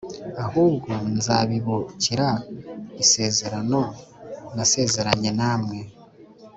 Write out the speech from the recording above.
Ahubwo nzabibukira isezerano nasezeranye namwe.